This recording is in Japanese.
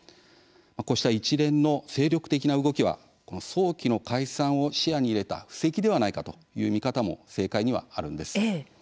こうした精力的な一連の動きは早期の解散を視野に入れた布石ではないかという見方も政界にはあるんです。